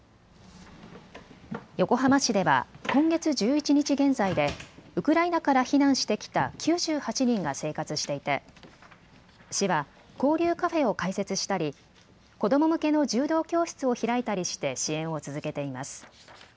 横浜市では今月１１日現在でウクライナから避難してきた９８人が生活していて市は交流カフェを開設したり子ども向けの柔道教室を開いたりして支援を続けています。